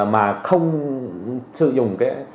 mà không sử dụng